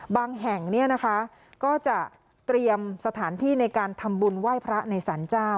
บางแห่งก็จะเตรียมสถานที่ในการทำบุญไหว้พระในศาลเจ้า